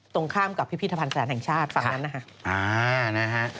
ตรงข้ามกับพิธีธพรรณแสดงชาติฝั่งนั้นนะคะ